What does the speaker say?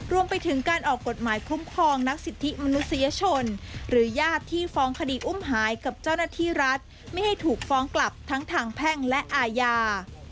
รวมไปถึงการออกกฎหมายคุ้มครองนักสิทธิมนุษยชนหรือญาติที่ฟ้องคดีอุ้มหายกับเจ้าหน้าที่รัฐไม่ให้ถูกฟ้องกลับทั้งทางแพ่งและอาญา